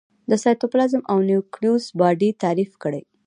د سایتوپلازم او نیوکلیوس باډي تعریف کړي.